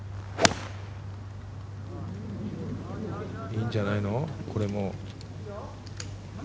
いいんじゃないの、これも。